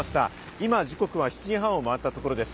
今、時刻は７時半を回ったところです。